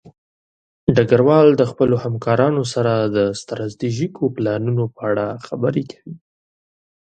ډګروال د خپلو همکارانو سره د ستراتیژیکو پلانونو په اړه خبرې کوي.